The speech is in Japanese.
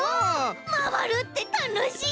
まわるってたのしい！